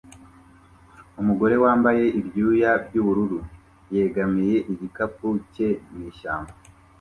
Umugore wambaye ibyuya byubururu yegamiye igikapu cye mwishyamba